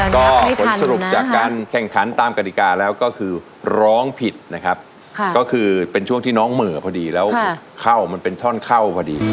ก็ผลสรุปจากการแข่งขันตามกฎิกาแล้วก็คือร้องผิดนะครับก็คือเป็นช่วงที่น้องเหม่อพอดีแล้วเข้ามันเป็นท่อนเข้าพอดี